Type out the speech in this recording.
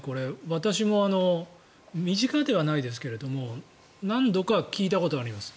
私も、身近ではないですけども何度か聞いたことあります。